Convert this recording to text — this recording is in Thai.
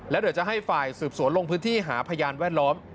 แล้วเดี๋ยวจะให้ฝ่ายสืบสวนลงพื้นที่หาพยานแวดล้อม